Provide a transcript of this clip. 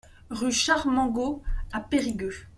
Rue Charles Mangold à Périgueux